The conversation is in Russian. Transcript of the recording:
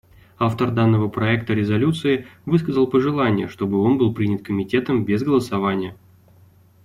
Автор данного проекта резолюции высказал пожелание, чтобы он был принят Комитетом без голосования.